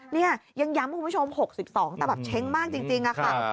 นี่ยังย้ำคุณผู้ชม๖๒แต่แบบเช้งมากจริงค่ะ